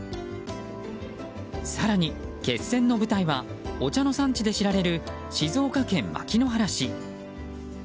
更に決戦の舞台はお茶の産地で知られる静岡県牧之原市。